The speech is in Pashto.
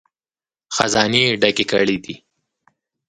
خزانې یې ډکې کړې دي.